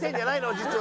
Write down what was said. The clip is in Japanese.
実は。